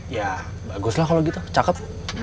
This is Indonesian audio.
ya bagus lah kalau gitu cakep